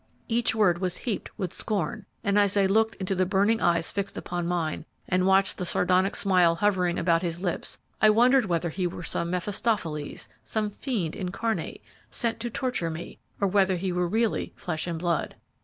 "Every word was heaped with scorn, and, as I looked into the burning eyes fixed upon mine and watched the sardonic smile hovering about his lips, I wondered whether he were some Mephistopheles some fiend incarnate sent to torture me, or whether he were really flesh and blood.